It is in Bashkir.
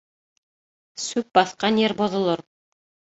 Сүп баҫҡан ер боҙолор